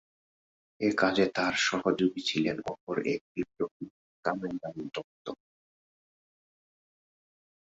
একাজে তার সহযোগী ছিলেন অপর এক বিপ্লবী কানাইলাল দত্ত।